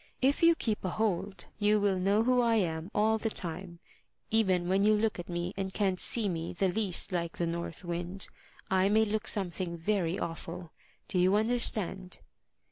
If you keep a hold, you will know who I am all the time, even when you look at me and can't see me the least like the North Wind. I may look something very awful. Do you understand?"